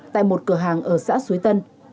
tại một cửa hàng ở xã suối tân